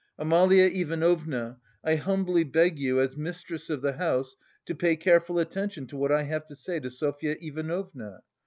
Amalia Ivanovna, I humbly beg you as mistress of the house to pay careful attention to what I have to say to Sofya Ivanovna.